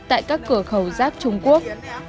tại các cửa khẩu giáp trung quốc